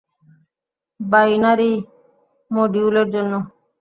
Binary মডিউলের জন্য?